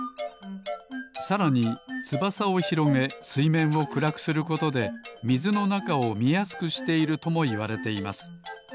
さらにつばさをひろげすいめんをくらくすることでみずのなかをみやすくしているともいわれています。